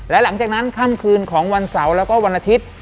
และหลังจากนั้นค่ำคืนของวันเสาร์แล้วก็วันอาทิตย์